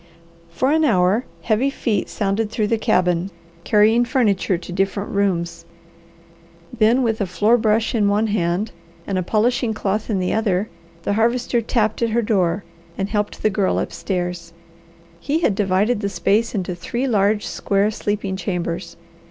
For an hour heavy feet sounded through the cabin carrying furniture to different rooms. Then with a floor brush in one hand, and a polishing cloth in the other, the Harvester tapped at her door and helped the Girl upstairs. He had divided the space into three large, square sleeping chambers.